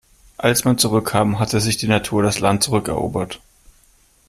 Als man zurückkam, hatte sich die Natur das Land zurückerobert.